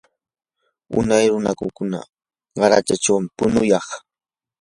unay runakuna qaratsachawmi punuyan.